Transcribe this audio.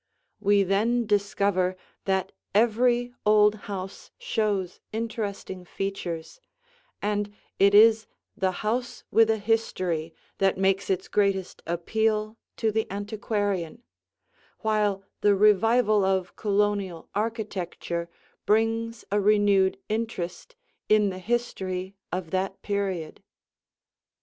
We then discover that every old house shows interesting features, and it is the house with a history that makes its greatest appeal to the antiquarian; while the revival of Colonial architecture brings a renewed interest in the history of that period.